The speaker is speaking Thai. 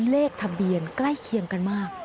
เลขทะเบียนใกล้เคียงกันมาก